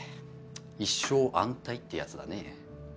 一生安泰ってやつだねぇ。